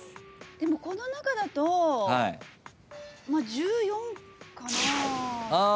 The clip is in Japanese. でもこの中だと１４かなあ。